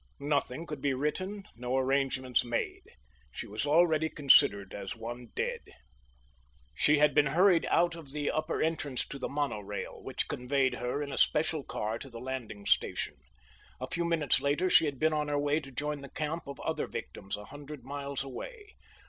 Nothing could be written, no arrangements made. She was already considered as one dead. She had been hurried out of the upper entrance to the monorail, which conveyed her in a special car to the landing station. A few minutes later she had been on her way to join the camp of other victims, a hundred miles away.